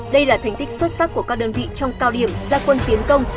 đây là thành tích xuất sắc của các đơn vị trong cao điểm gia quân tiến công